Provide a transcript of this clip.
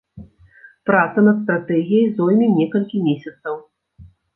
Праца над стратэгіяй зойме некалькі месяцаў.